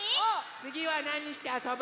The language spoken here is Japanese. つぎはなにしてあそぶ？